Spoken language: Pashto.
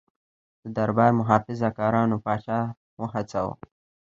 د دربار محافظه کارانو پاچا وهڅاوه.